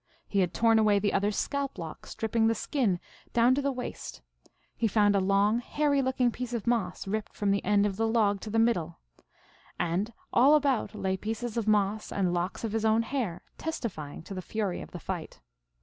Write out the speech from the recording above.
He had torn away the other s scalp lock, stripping the skin down to the waist ; he found a long, hairy looking piece of moss ripped from the end of the log to the middle. And all about lay pieces of moss and locks of his own hair, testifying to the fury of the fight.